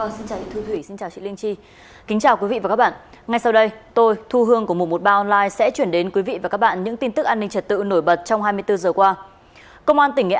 xin chào quý vị và các bạn